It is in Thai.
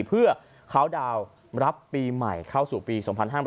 เพื่อเขาดาวน์รับปีใหม่เข้าสู่ปี๒๕๕๙